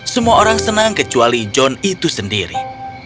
semua orang senang kecuali john itu sendiri